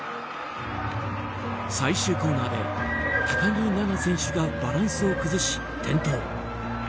最終コーナーで高木菜那選手がバランスを崩し転倒。